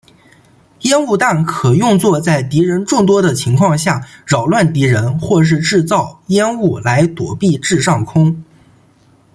烟雾弹可用作在敌人众多的情况下扰乱敌人或是制造烟雾来躲避至上空。